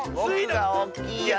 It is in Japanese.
ぼくがおっきいやつ！